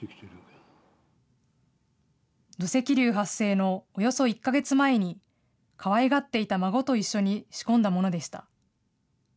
土石流発生のおよそ１か月前に、かわいがっていた孫と一緒に仕込んだものでした。